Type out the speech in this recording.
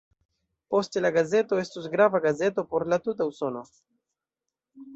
Poste la gazeto estos grava gazeto por la tuta Usono.